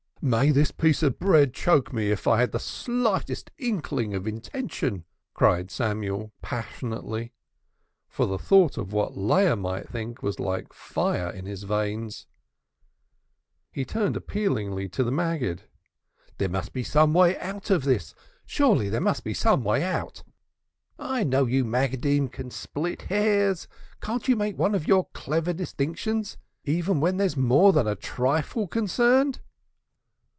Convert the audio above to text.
"May this piece of bread choke me if I had the slightest iota of intention!" cried Samuel passionately, for the thought of what Leah might think was like fire in his veins. He turned appealingly to the Maggid; "but there must be some way out of this, surely there must be some way out. I know you Maggidim can split hairs. Can't you make one of your clever distinctions even when there's more than a trifle concerned?"